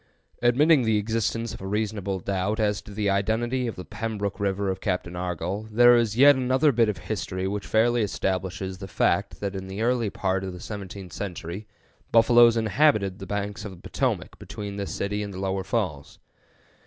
Admitting the existence of a reasonable doubt as to the identity of the Pembrook River of Captain Argoll, there is yet another bit of history which fairly establishes the fact that in the early part of the seventeenth century buffaloes inhabited the banks of the Potomac between this city and the lower falls.